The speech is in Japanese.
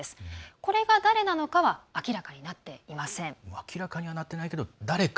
これが、誰なのかは明らかになっていません。